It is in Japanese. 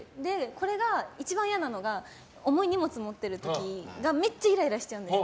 これが一番嫌なのが重い荷物を持ってる時がめっちゃイライラしちゃうんです。